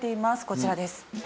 こちらです。